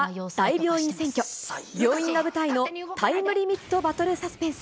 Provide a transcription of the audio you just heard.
病院が舞台のタイムリミット・バトル・サスペンス。